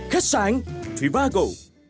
khách sạn trivago